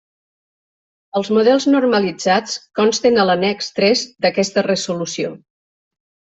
Els models normalitzats consten a l'annex tres d'aquesta Resolució.